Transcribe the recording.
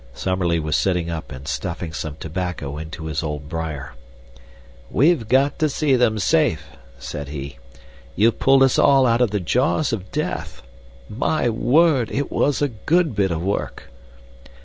Summerlee was sitting up and stuffing some tobacco into his old briar. "We've got to see them safe," said he. "You've pulled us all out of the jaws of death. My word! it was a good bit of work!"